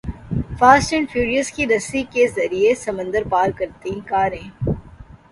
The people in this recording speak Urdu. فاسٹ اینڈ فیورس کی رسی کے ذریعے سمندر پار کرتیں کاریں